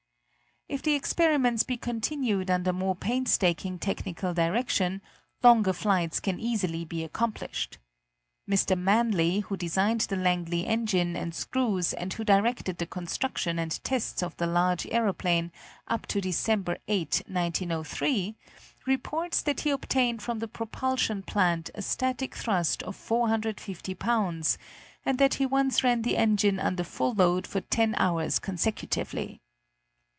If the experiments be continued under more painstaking technical direction, longer flights can easily be accomplished. Mr. Manly, who designed the Langley engine and screws and who directed the construction and tests of the large aeroplane up to December 8, 1903, reports that he obtained from the propulsion plant a static thrust of 450 pounds, and that he once ran the engine under full load for 10 hours consecutively.